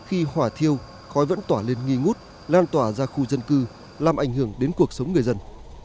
khi hỏa thiêu khói vẫn tỏa lên nghi ngút lan tỏa ra khu dân cư làm ảnh hưởng đến cuộc sống người dân